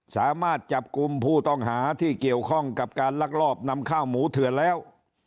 สามารถจับกลุ่มผู้ต้องหาที่เกี่ยวข้องกับการลักลอบนำข้าวหมูเถื่อนแล้ว